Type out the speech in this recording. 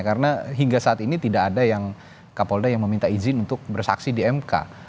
karena hingga saat ini tidak ada yang kapolda yang meminta izin untuk bersaksi di mk